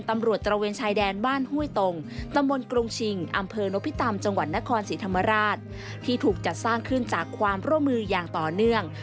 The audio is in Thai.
ที่ถูกจัดสร้างขึ้นจากความร่วมมืออย่างต่อเนื่อง